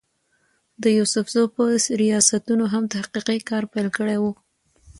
د يوسفزو پۀ رياستونو هم تحقيقي کار پېل کړی وو